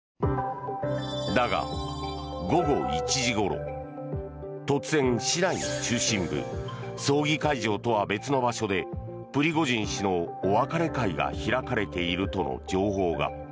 だが、午後１時ごろ突然、市内中心部葬儀会場とは別の場所でプリゴジン氏のお別れ会が開かれているとの情報が。